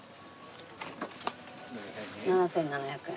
７７００円。